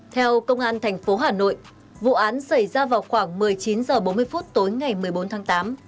theo công an tp hà nội vụ án xảy ra vào khoảng một mươi chín h bốn mươi tối ngày một mươi bốn tháng tám